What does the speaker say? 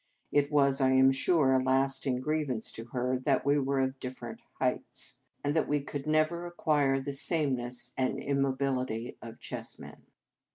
It was, I am sure, a lasting griev ance to her that we were of different heights, and that we could never 226 The Game of Love acquire the sameness and immobility of chessmen.